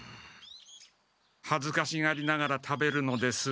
はずかしがりながら食べるのです。